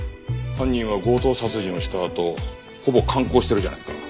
犯人は強盗殺人をしたあとほぼ観光してるじゃないか。